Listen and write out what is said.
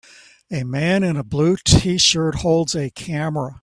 A man in a blue tshirt holds a camera